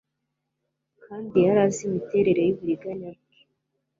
Kandi yari azi imiterere yuburiganya bwe